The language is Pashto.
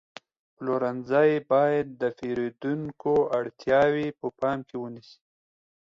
پلورنځی باید د پیرودونکو اړتیاوې په پام کې ونیسي.